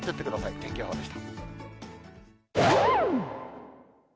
天気予報でした。